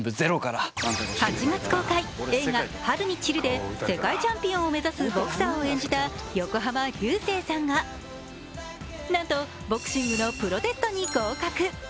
８月公開映画「春に散る」で世界チャンピオンを目指すボクサーを演じた横浜流星さんがなんとボクシングのプロテストに合格。